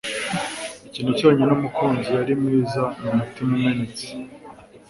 ikintu cyonyine umukunzi yari mwiza ni umutima umenetse. - becca fitzpatrick